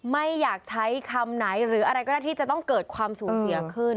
ไม่อยากใช้คำไหนหรืออะไรก็ได้ที่จะต้องเกิดความสูญเสียขึ้น